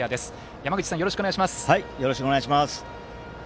山口さん、よろしくお願いします。